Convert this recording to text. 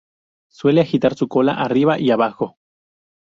Suele agitar su cola arriba y abajo.